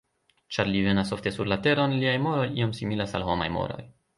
Ĉar li venas ofte sur la Teron, liaj moroj iom similas al homaj moroj.